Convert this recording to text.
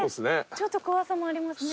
ちょっと怖さもありますね。